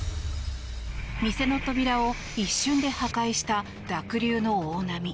店の扉を一瞬で破壊した濁流の大波。